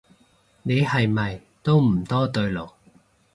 你係咪都唔多對路